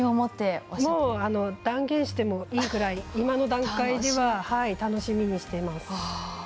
もう断言してもいいくらい今の段階では、楽しみにしてます。